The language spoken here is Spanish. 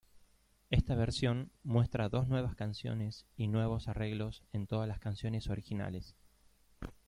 Esta versión muestra dos nuevas canciones y nuevos arreglos en todas las canciones originales.